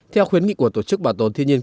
theo khuyến nghị của tổ chức bảo tồn